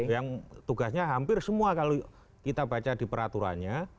yang tugasnya hampir semua kalau kita baca di peraturannya